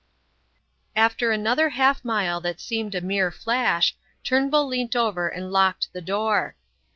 After another half mile that seemed a mere flash, Turnbull leant over and locked the door.